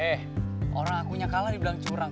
eh orang akunya kalah dibilang curang